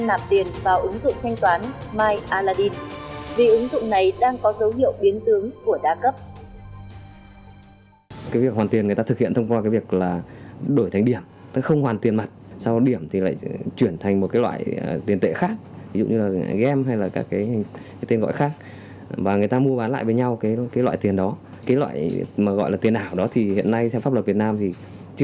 là trung gian của ngân toán người tham gia nếu có những tranh chấp liên quan đến giao dịch này đều